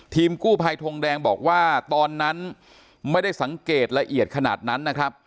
ทีมกู้ภัยทงแดงบอกว่าตอนนั้นไม่ได้สังเกตละเอียดขนาดนั้นนะครับ